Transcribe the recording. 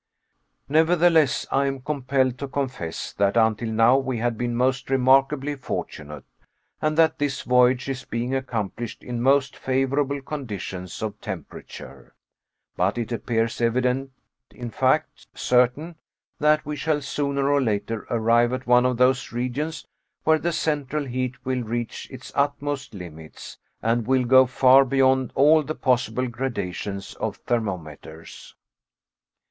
Nevertheless, I am compelled to confess that until now we have been most remarkably fortunate, and that this voyage is being accomplished in most favorable conditions of temperature; but it appears evident, in fact, certain, that we shall sooner or later arrive at one of those regions where the central heat will reach its utmost limits, and will go far beyond all the possible gradations of thermometers.